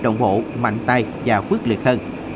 động bộ mạnh tay và quyết liệt hơn